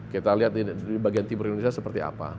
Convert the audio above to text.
kita lihat di bagian timur indonesia seperti apa